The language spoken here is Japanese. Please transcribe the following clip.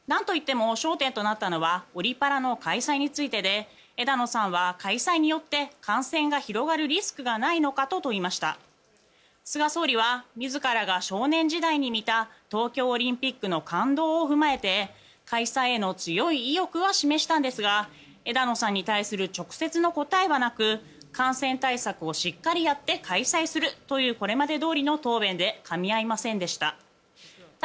焦点となったのはオリパラの開催についてで枝野さんは開催によって感染が広がるリスクがないか問いましたが菅総理は東京オリンピックの感動を踏まえて開催への強い意欲を示したんですが枝野さんへの直接の答えはなく感染対策をしっかりやって開催するというこれまでどおりの答弁でかみ合いませんでした。